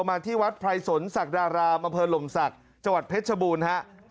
มาที่วัดไพรสนศักดารามอำเภอหลมศักดิ์จังหวัดเพชรชบูรณ์ฮะ